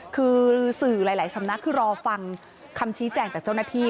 คือสื่อหลายสำนักคือรอฟังคำชี้แจงจากเจ้าหน้าที่